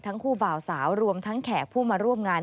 คู่บ่าวสาวรวมทั้งแขกผู้มาร่วมงาน